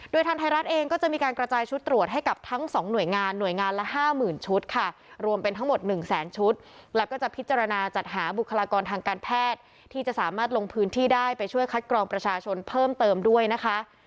โดยทางไทยรัฐเองก็จะมีการกระจายชุดตรวจให้กับทั้งสองหน่วยงานหน่วยงานละ๕๐๐๐ชุดค่ะรวมเป็นทั้งหมด๑แสนชุดแล้วก็จะพิจารณาจัดหาบุคลากรทางการแพทย์ที่จะสามารถลงพื้นที่ได้ไปช่วยคัดกรองประชาชนเพิ่มเติมด้วยนะคะ